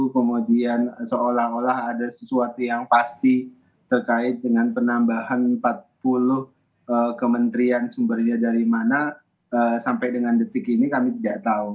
kemudian seolah olah ada sesuatu yang pasti terkait dengan penambahan empat puluh kementerian sumbernya dari mana sampai dengan detik ini kami tidak tahu